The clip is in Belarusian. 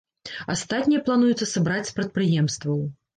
Астатняе плануецца сабраць з прадпрыемстваў.